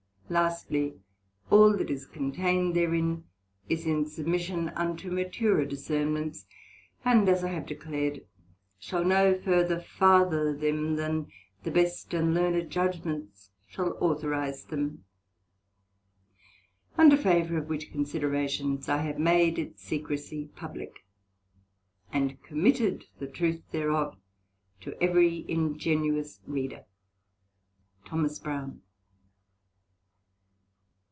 Lastly, all that is contained therein is in submission unto maturer discernments; and, as I have declared, shall no further father them than the best and learned judgments shall authorize them: under favour of which considerations I have made its secrecy publick, and committed the truth thereof to every Ingenuous Reader. THO. BROWNE.